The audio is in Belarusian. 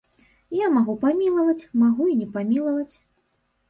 Я магу памілаваць, магу і не памілаваць.